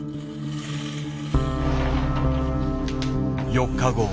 ４日後。